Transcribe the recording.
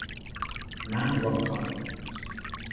A man rock climbs.